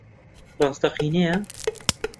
ڕاستەقینەیە؟